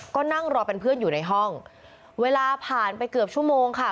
ก็นั่งรอเป็นเพื่อนอยู่ในห้องเวลาผ่านไปเกือบชั่วโมงค่ะ